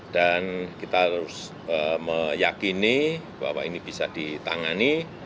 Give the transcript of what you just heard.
dan kita harus meyakini bahwa ini bisa ditangani